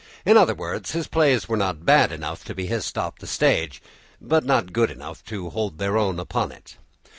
In other words, his plays were not bad enough to be hissed off the stage, but not good enough to hold their own upon it.